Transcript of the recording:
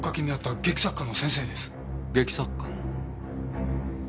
劇作家の。